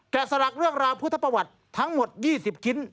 สลักเรื่องราวพุทธประวัติทั้งหมด๒๐ชิ้น